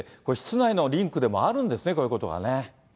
これ、室内のリンクでもあるんですね、こういうことがね。